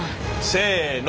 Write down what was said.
せの。